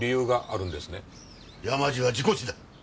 山路は事故死だ。